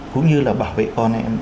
cũng như là bảo vệ con em